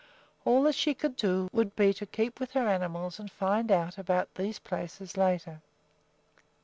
All that she could do would be to keep with her animals and find out about these places later.